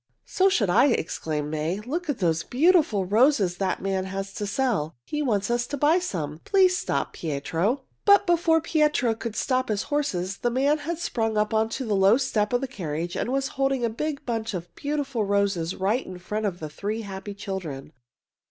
"So should I!" exclaimed May. "Look at the beautiful roses that man has to sell. He wants us to buy some. Please stop, Pietro!" But before Pietro could stop his horses, the man had sprung up onto the low step of the carriage and was holding a big bunch of beautiful roses right in front of the three happy children.